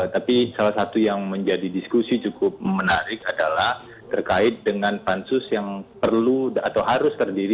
tapi salah satu yang menjadi diskusi cukup menarik adalah terkait dengan pansus yang perlu atau harus terdiri